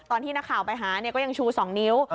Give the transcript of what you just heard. ตอนที่นักข่าวไปหาก็ยังชู๒นิ้ว